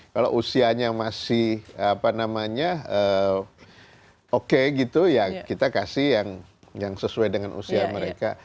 kalau usianya masih apa namanya oke gitu ya kita kasih yang sesuai dengan usia mereka